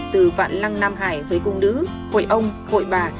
từ vạn lăng nam hải với cung nữ hội ông hội bà